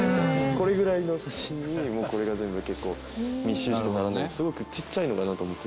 これぐらいの写真にもうこれが全部結構密集していたのですごくちっちゃいのかなと思って。